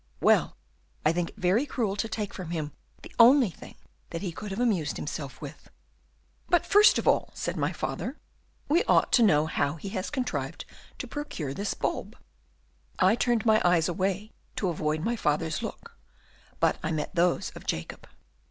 Well, I think it very cruel to take from him the only thing that he could have amused himself with.' "'But, first of all,' said my father, 'we ought to know how he has contrived to procure this bulb.' "I turned my eyes away to avoid my father's look; but I met those of Jacob.